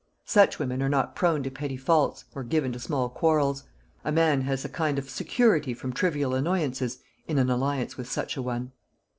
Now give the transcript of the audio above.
Such women are not prone to petty faults, or given to small quarrels. A man has a kind of security from trivial annoyances in an alliance with such a one.